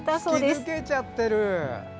突き抜けちゃってる！